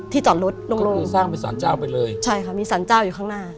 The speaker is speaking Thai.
ที่จอดรถโล่งค่ะก็คือสร้างเป็นศาลเจ้าไปเลยใช่ค่ะมีศาลเจ้าอยู่ข้างหน้า